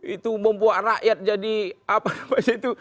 itu membuat rakyat jadi apa namanya itu